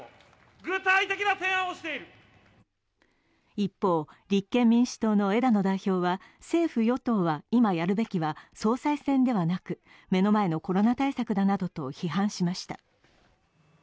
一方、立憲民主党の枝野代表は政府・与党は今やるべきは総裁選ではなく目の前のコロナ対策だなどと批判しました。